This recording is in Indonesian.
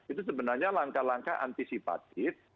itu sebenarnya langkah langkah antisipatif